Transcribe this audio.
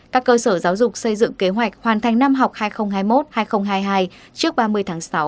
các cơ sở giáo dục xây dựng kế hoạch hoàn thành năm học hai nghìn hai mươi một hai nghìn hai mươi hai trước ba mươi tháng sáu